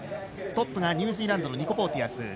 トップがニュージーランドのニコ・ポーティアス。